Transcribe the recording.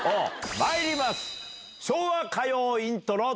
まいります。